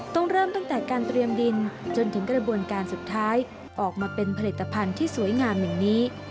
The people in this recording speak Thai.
ต้องเริ่มตั้งแต่การเตรียมดินจนถึงกระบวนการสุดท้ายออกมาเป็นผลิตภัณฑ์ที่สวยงามอย่างนี้